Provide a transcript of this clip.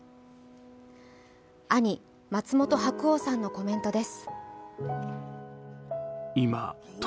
兄・松本白鸚さんのコメントです。